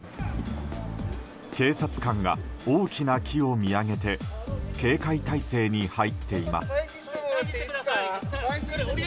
警察官が大きな木を見上げて警戒態勢に入っています。